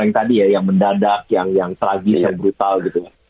yang tadi ya yang mendadak yang sragis yang brutal gitu ya